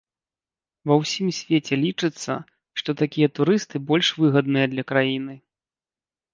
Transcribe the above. Ва ўсім свеце лічыцца, што такія турысты больш выгадныя для краіны.